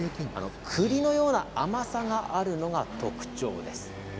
栗のような甘さがあるのが特徴なんです。